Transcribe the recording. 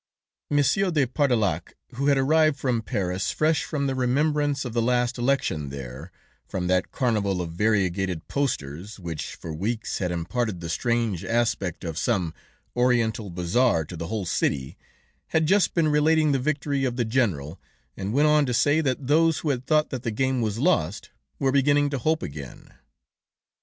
Monsieur de Pardeillac, who had arrived from Paris, fresh from the remembrance of the last election there, from that Carnival of variegated posters, which for weeks had imparted the strange aspect of some Oriental bazaar to the whole city, had just been relating the victory of The General, and went on to say that those who had thought that the game was lost, were beginning to hope again.